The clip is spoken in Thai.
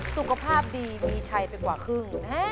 สุขภาพดีมีชัยไปกว่าครึ่ง